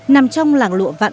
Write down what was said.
nằm trong làng lụa vạn